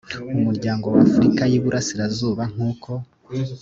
umuryango wa afurika y iburasirazuba nk uko